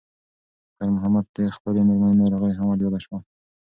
خیر محمد ته د خپلې مېرمنې ناروغي هم ور یاده شوه.